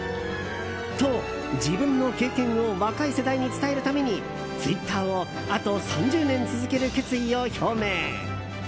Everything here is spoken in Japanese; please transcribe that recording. と、自分の経験を若い世代に伝えるためにツイッターをあと３０年続ける決意を表明。